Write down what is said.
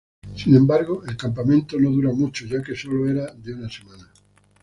Sin embargo, el campamento no dura mucho, ya que sólo era de una semana.